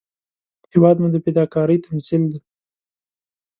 هېواد مو د فداکارۍ تمثیل دی